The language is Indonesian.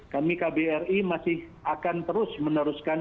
kami kbri masih akan terus meneruskan